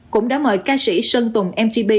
cũng đã mời ca sĩ sơn tùng mgb